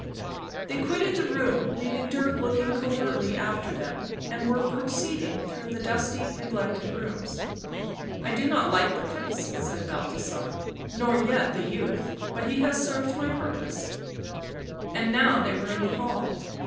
They quitted the room, leaving Dirk looking covertly after them, and were proceeding through the dusty, neglected rooms. " I do not like the place," said Balthasar. " Nor yet the youth. But he has served my purpose." And now they were in the hall.